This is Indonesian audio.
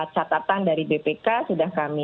catatan dari bpk sudah kami